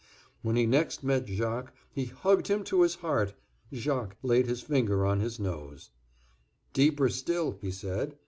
When he next met Jacques, he hugged him to his heart. Jacques laid his finger on his nose: "Deeper still," he said.